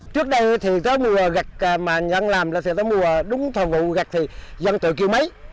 trước đây thì tới mùa gặt mà dân làm là tới mùa đúng thờ vụ gặt thì dân tự kêu máy